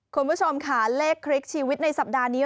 คุณผู้ชมค่ะเลขคลิกชีวิตในสัปดาห์นี้